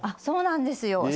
そうなんですよ。